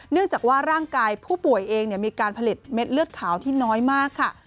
เนื่องจากว่าร่างกายผู้ป่วยเองมีการผลิตเม็ดเลือดขาวที่น้อยมากค่ะ